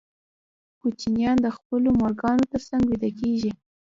کوچنیان د خپلو مورګانو تر څنګ ویده کېږي.